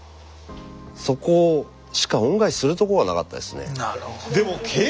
そこしか恩返しするとこがなかったですね。